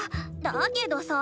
だけどさ。